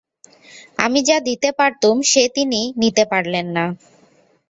আমি যা দিতে পারতুম সে তিনি নিতে পারলেন না।